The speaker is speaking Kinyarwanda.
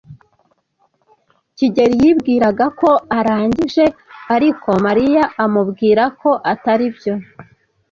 kigeli yibwiraga ko arangije, ariko Mariya amubwira ko atari byo.